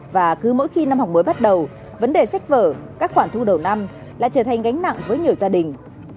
và cứ mỗi khi năm học mới bắt đầu vấn đề sách vở các khoản thu đầu năm lại trở thành gánh nặng với nhiều gia đình